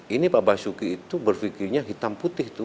ini pak basuki itu berfikirnya hitam putih